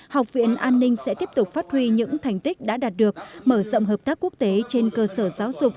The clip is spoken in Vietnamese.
học viện an ninh sẽ tiếp tục phát huy những thành tích đã đạt được mở rộng hợp tác quốc tế trên cơ sở giáo dục